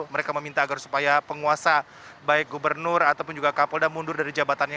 mereka meminta agar supaya penguasa baik gubernur ataupun juga kapolda mundur dari jabatannya